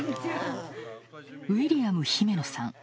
ウィリアム・ヒメノさん。